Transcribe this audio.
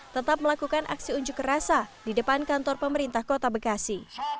tetap melakukan aksi unjuk rasa di depan kantor pemerintah kota bekasi